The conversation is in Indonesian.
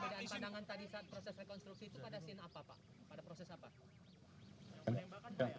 perbedaan pandangan saat proses rekonstruksi itu pada scene apa pak